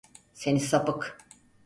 Seni sapık!